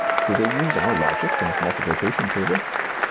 do they use our logic and multiplication table?